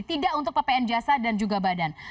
tidak untuk ppn jasa dan juga badan